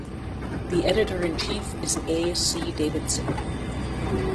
The editor-in-chief is A. C. Davison.